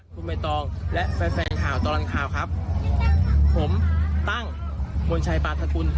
คุณเหม็นตอมและแฟนข่าวตอนร้านข่าวครับผมตั้งมนชัยปาทันพุน